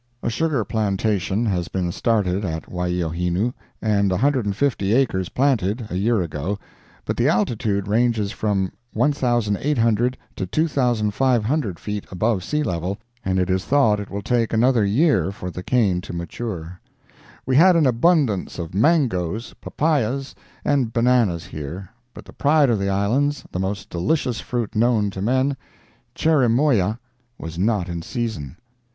A sugar plantation has been started at Waiohinu, and 150 acres planted, a year ago, but the altitude ranges from 1,800 to 2,500 feet above sea level, and it is thought it will take another year for the cane to mature. We had an abundance of mangoes, papaias and bananas here, but the pride of the islands, the most delicious fruit known to men, cherimoya, was not in season.